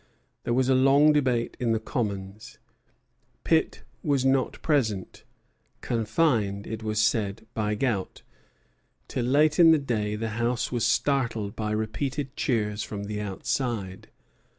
There was a long debate in the Commons. Pitt was not present, confined, it was said, by gout; till late in the day the House was startled by repeated cheers from the outside.